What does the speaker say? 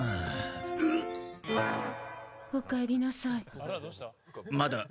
おかえりなさい。